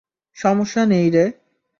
সমস্যা নেই রে।